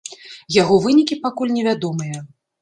Яго вынікі пакуль невядомыя.